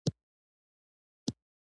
هغې خونې ته په حیرانتیا سره وکتل